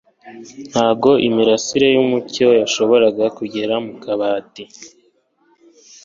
Ntabwo imirasire yumucyo yashoboraga kugera mukabati.